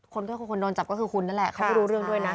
คนก็คือคนโดนจับก็คือคุณนั่นแหละเขาไม่รู้เรื่องด้วยนะ